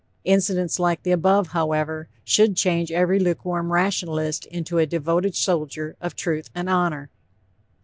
Incidents like the above, however, should change every lukewarm rationalist into a devoted soldier of truth and honor.